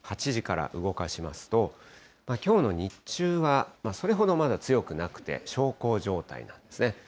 ８時から動かしますと、きょうの日中はそれほどまだ強くなくて小康状態なんですね。